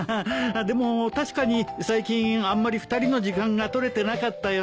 でも確かに最近あんまり２人の時間が取れてなかったよな。